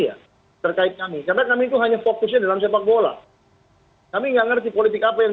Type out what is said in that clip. ya terkait kami karena sangat fokusnya dalam sepak bola kami nggak ngeri politik apa yang